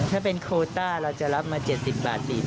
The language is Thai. ถ้าเป็นโคต้าเราจะรับมา๗๐บาทอีก